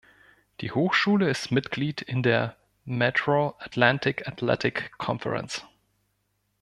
Die Hochschule ist Mitglied in der Metro Atlantic Athletic Conference.